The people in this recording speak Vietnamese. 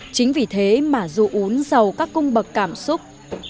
chính vì thế mà ru uốn giàu các cung bậc cảm xúc